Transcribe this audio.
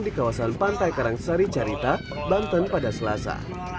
di kawasan pantai karangsari carita banten pada selasa